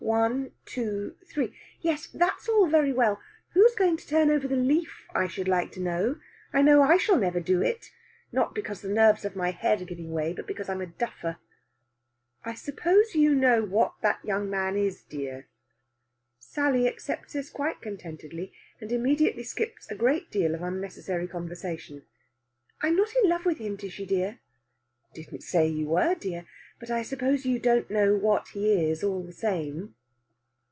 One two three." "Yes, that's all very well. Who's going to turn over the leaf, I should like to know? I know I shall never do it. Not because the nerves of my head are giving way, but because I'm a duffer." "I suppose you know what that young man is, dear?" Sally accepts this quite contentedly, and immediately skips a great deal of unnecessary conversation. "I'm not in love with him, Tishy dear." "Didn't say you were, dear. But I suppose you don't know what he is, all the same."